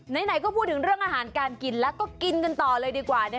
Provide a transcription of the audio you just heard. ไหนก็พูดถึงเรื่องอาหารการกินแล้วก็กินกันต่อเลยดีกว่า